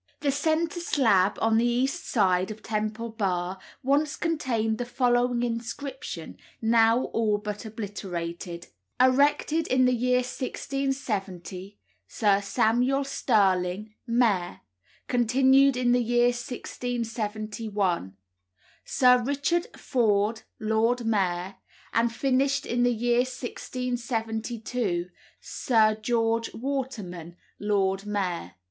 The centre slab on the east side of Temple Bar once contained the following inscription, now all but obliterated: "Erected in the year 1670, Sir Samuel Sterling, Mayor; continued in the year 1671, Sir Richard Ford, Lord Mayor; and finished in the year 1672, Sir George Waterman, Lord Mayor."